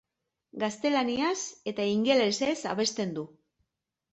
Gaztelaniaz eta ingelesez abesten du.